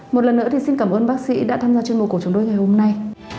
một lần nữa thì xin cảm ơn bác sĩ đã tham gia chương mục của chúng tôi ngày hôm nay